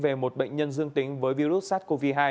về một bệnh nhân dương tính với virus sars cov hai